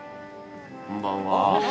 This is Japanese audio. こんばんは。